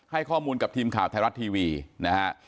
ให้ข้อมูลกับทีมข่าวไทยรัฐทีวีนะฮะ